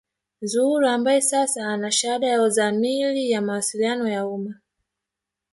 Zuhura ambaye sasa ana shahada ya uzamili ya mawasiliano ya umma